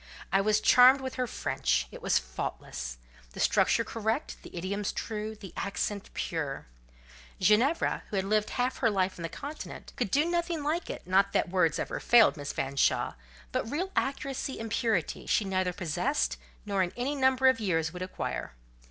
I was charmed with her French; it was faultless—the structure correct, the idioms true, the accent pure; Ginevra, who had lived half her life on the Continent, could do nothing like it not that words ever failed Miss Fanshawe, but real accuracy and purity she neither possessed, nor in any number of years would acquire.